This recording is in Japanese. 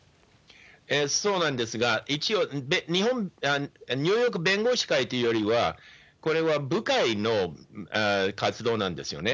そうなんですが、一応、ニューヨーク弁護士会というよりは、これは部会の活動なんですよね。